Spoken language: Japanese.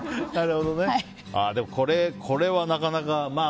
これはなかなか。